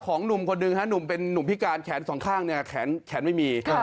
หนุ่มคนหนึ่งฮะหนุ่มเป็นนุ่มพิการแขนสองข้างเนี่ยแขนไม่มี